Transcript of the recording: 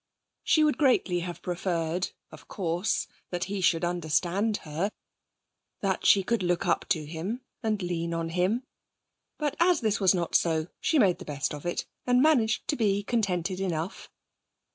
She would greatly have preferred, of course, that he should understand her, that she could look up to him and lean on him. But as this was not so, she made the best of it, and managed to be contented enough.